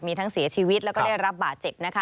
มีทั้งเสียชีวิตแล้วก็ได้รับบาดเจ็บนะคะ